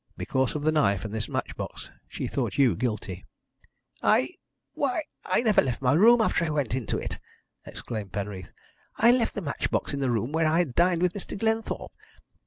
"Because of the knife and this match box she thought you guilty." "I! Why I never left my room after I went into it," exclaimed Penreath. "I left the match box in the room where I had dined with Mr. Glenthorpe.